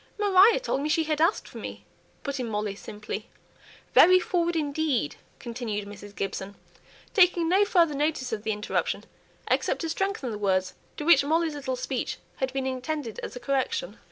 "Maria told me she had asked for me," put in Molly, simply. "Very forward indeed!" continued Mrs. Gibson, taking no further notice of the interruption, except to strengthen the words to which Molly's little speech had been intended as a correction.